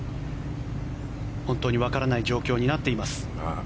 本当にわからない状況になっています。